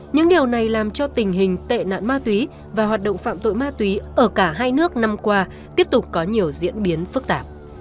những điều này làm cho tình hình tệ nạn ma túy và hoạt động phạm tội ma túy ở cả hai nước năm qua tiếp tục có nhiều diễn biến phức tạp